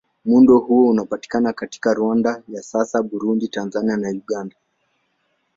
Muundo huo unapatikana katika Rwanda ya sasa, Burundi, Tanzania na Uganda.